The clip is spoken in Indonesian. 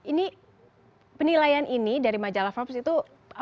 ini penilaian ini dari majalah forbes itu apakah berbeza